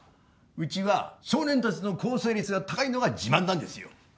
うちは少年達の更生率が高いのが自慢なんですよ